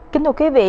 kính thưa quý vị